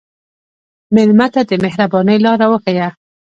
مېلمه ته د مهربانۍ لاره وښیه.